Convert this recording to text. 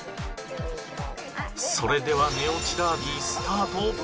それでは寝落ちダービースタート。